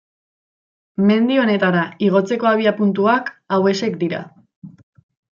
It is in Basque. Mendi honetara igotzeko abiapuntuak hauexek dira.